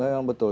ya yang betul